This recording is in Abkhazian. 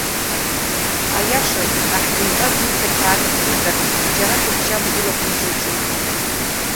Аиашаз, ахьӡынҵа зныз ақьаад ркымзар, џьара дыбжьамгылагәышьози.